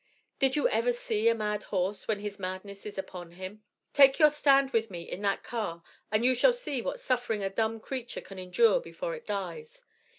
Did you ever see a mad horse when his madness is on him? Take your stand with me in that car, and you shall see what suffering a dumb creature can endure before it dies.